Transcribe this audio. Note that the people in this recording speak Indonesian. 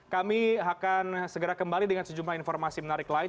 kami akan segera kembali dengan sejumlah informasi menarik lain